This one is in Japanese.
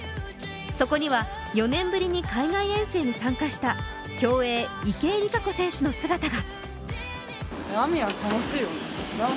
そこには４年ぶりに海外遠征に参加した競泳・池江璃花子選手の姿が。